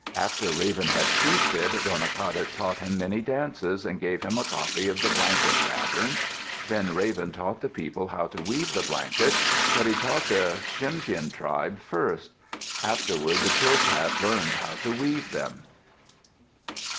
After Raven had feasted, Gonaqadet taught him many dances and gave him a copy of the blanket pattern. Then Raven taught the people how to weave the blankets, but he taught the Tsimshian tribe first. Afterward the Chilkats learned how to weave them.